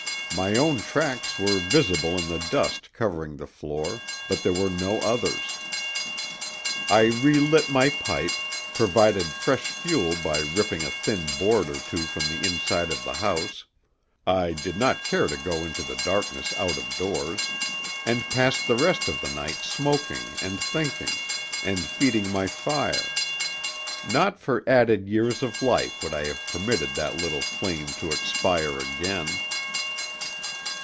My own tracks were visible in the dust covering the floor, but there were no others. I relit my pipe, provided fresh fuel by ripping a thin board or two from the inside of the house—I did not care to go into the darkness out of doors—and passed the rest of the night smoking and thinking, and feeding my fire; not for added years of life would I have permitted that little flame to expire again.